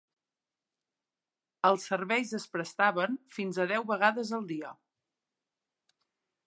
Els serveis es prestaven fins a deu vegades al dia.